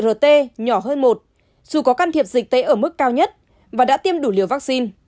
rt nhỏ hơn một dù có can thiệp dịch tế ở mức cao nhất và đã tiêm đủ liều vaccine